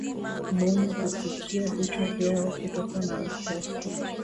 mbuni hufukia vichwa vyao kutokana na hofu